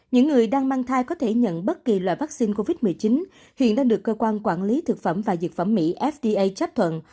những người đang mang thai có thể nhận bất kỳ loại vaccine covid một mươi chín hiện đang được cơ quan quản lý thực phẩm và dược phẩm mỹ fda chấp thuận